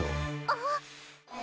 あっ。